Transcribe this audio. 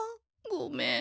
ごめん。